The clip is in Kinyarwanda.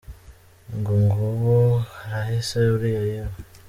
Ngo nguwo arahise, uriya yewee !!